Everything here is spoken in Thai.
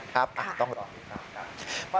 ครับต้องรออีกครับขอบคุณครับขอบคุณครับขอบคุณครับ